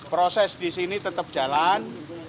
proses di sini tetap jalan